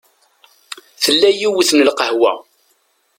Tella yiwet n lqahwa.